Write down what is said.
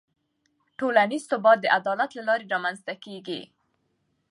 ټولنیز ثبات د عدالت له لارې رامنځته کېږي.